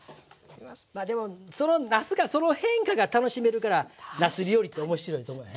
まあでもなすがその変化が楽しめるからなす料理って面白いと思わへん？